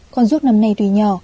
còn ruốc năm nay tùy nhỏ